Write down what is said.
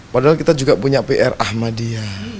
padahal kita juga punya pr ahmadiyah